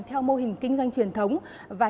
theo mô hình kinh doanh truyền thống và